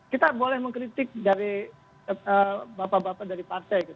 kita boleh mengkritik dari bapak bapak dari partai